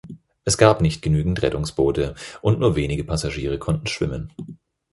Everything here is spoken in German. Es gab nicht genügend Rettungsboote und nur wenige Passagiere konnten schwimmen.